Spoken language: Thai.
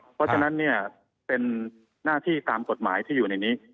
เพราะฉะนั้นเนี่ยเป็นหน้าที่ตามกฎหมายที่อยู่ในนี้